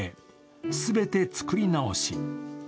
全て作り直し。